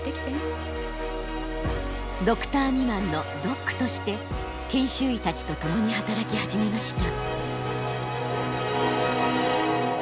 ドクター未満のドックとして研修医たちと共に働き始めました。